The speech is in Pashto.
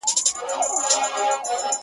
په مټي چي وكړه ژړا پر ځـنـگانــه.